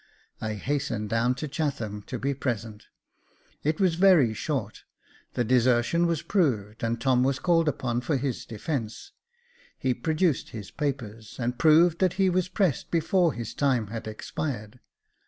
I hastened down to Chatham to be present. It was very short : the desertion was proved, and Tom was called upon for his defence. He produced his papers, and proved that he was pressed before his time had expired.